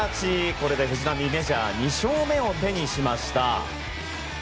これで藤浪はメジャー２勝目を手にしました。